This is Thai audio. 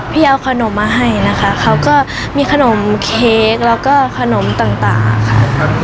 พี่เอาขนมมาให้นะคะเขาก็มีขนมเค้กแล้วก็ขนมต่างค่ะ